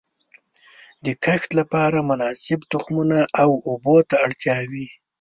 د کښت لپاره مناسب تخمونو او اوبو ته اړتیا وي.